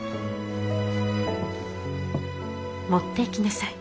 持っていきなさい。